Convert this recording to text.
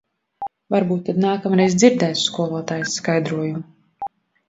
Varbūt tad nākamreiz dzirdēs skolotājas skaidrojumu.